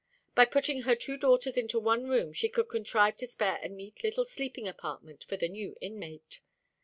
By putting her two daughters into one room, she could contrive to spare a neat little sleeping apartment for the new inmate.